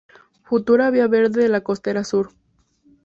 Futura vía verde de la Costera Sur